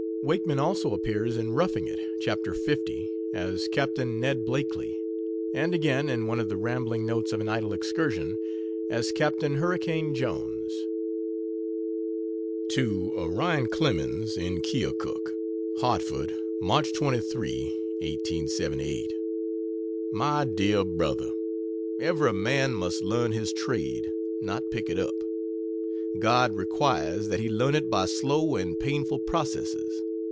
Wakeman also appears in 'Roughing It,' Chap. L, as Capt. Ned Blakely, and again in one of the "Rambling Notes of an Idle Excursion," as "Captain Hurricane Jones." To Orion Clemens, in Keokuk: HARTFORD, Mch. 23, 1878. MY DEAR BRO., Every man must learn his trade not pick it up. God requires that he learn it by slow and painful processes.